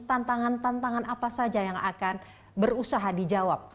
tantangan tantangan apa saja yang akan berusaha dijawab